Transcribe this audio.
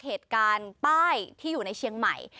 เหตุการณ์ป้ายที่อยู่ในเชียงใหม่